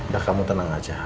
ya kamu tenang aja